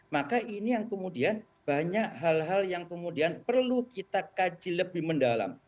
maka ini yang kemudian banyak hal hal yang kemudian perlu kita kaji lebih mendalam